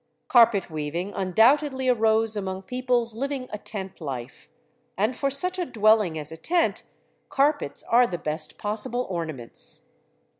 Carpet weaving undoubtedly arose among peoples living a tent life, and for such a dwelling as a tent, carpets are the best possible ornaments.